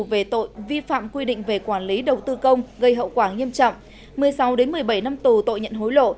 về tội vi phạm quy định về quản lý đầu tư công gây hậu quả nghiêm trọng một mươi sáu một mươi bảy năm tù tội nhận hối lộ